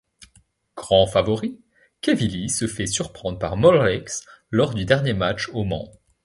Grand favori, Quevilly se fait surprendre par Morlaix lors du dernier match au Mans.